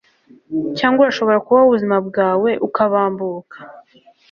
Cyangwa urashobora kubaho ubuzima bwawe ukabambuka. ”